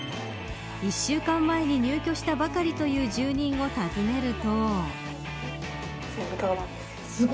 １週間前に入居したばかりという住人を訪ねると。